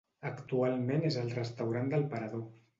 Actualment és el restaurant del Parador.